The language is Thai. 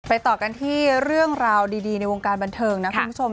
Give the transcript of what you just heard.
ต่อกันที่เรื่องราวดีในวงการบันเทิงนะคุณผู้ชม